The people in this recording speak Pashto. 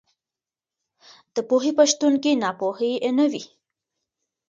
د پوهې په شتون کې ناپوهي نه وي.